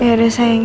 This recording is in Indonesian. ya udah sayang